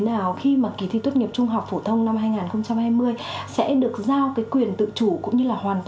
nào khi mà kỳ thi tốt nghiệp trung học phổ thông năm hai nghìn hai mươi sẽ được giao cái quyền tự chủ cũng như là hoàn